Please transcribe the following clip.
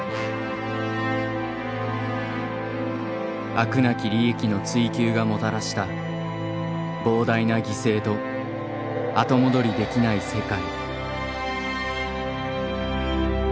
飽くなき利益の追求がもたらした膨大な犠牲と後戻りできない世界。